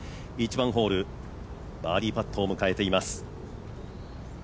１番ホール、バーディーパットを迎えています。